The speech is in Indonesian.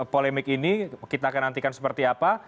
polemik ini kita akan nantikan seperti apa